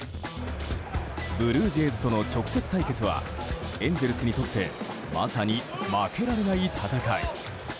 ブルージェイズとの直接対決はエンゼルスにとってまさに負けられない戦い。